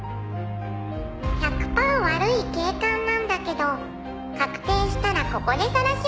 「１００パー悪い警官なんだけど確定したらここでさらします！」